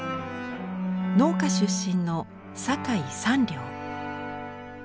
農家出身の酒井三良。